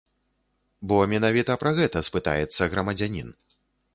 Бо менавіта пра гэта спытаецца грамадзянін.